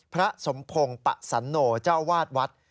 พระสมพงศ์ปะสันโนเจ้าวาดวัด